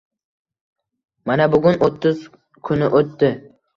Mana bugun o‘ttiz kuni o‘tdi